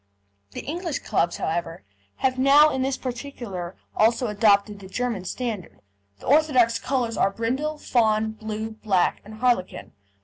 The English clubs, however, have now in this particular also adopted the German standard. The orthodox colours are brindle, fawn, blue, black, and harlequin.